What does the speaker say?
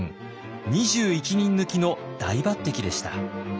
２１人抜きの大抜擢でした。